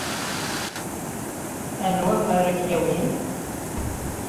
Anwa ara k-yawin?